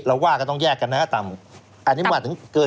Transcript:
เราก็ว่าก็ต้องแยกกันนะคะต่ำ